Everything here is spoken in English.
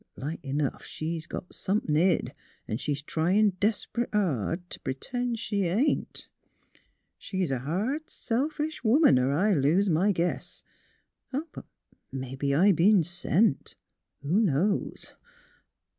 Like enough she's got somethin' hid, an' she's tryin' desp'rit' hard t' pertend she ain't. She's a hard, selfish woman, er I lose my guess. But mebbe I b'en sent, who knows?